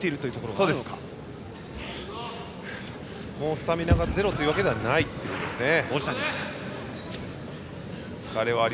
スタミナがゼロというわけではないということですね。